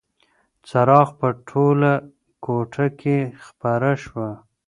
څراغ په ټوله کوټه کې خپره شوه.